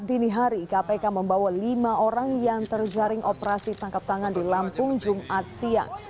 dini hari kpk membawa lima orang yang terjaring operasi tangkap tangan di lampung jumat siang